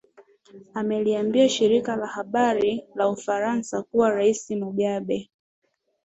ameliambia shirika la habari la ufaransa kuwa rais mugabe